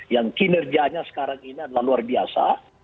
yang kinerjanya sekarang ini adalah luar biasa